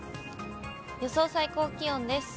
予想最高気温です。